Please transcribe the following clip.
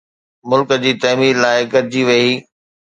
ملڪ جي تعمير لاءِ گڏجي ويھي